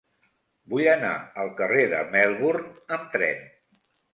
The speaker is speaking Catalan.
Vull anar al carrer de Melbourne amb tren.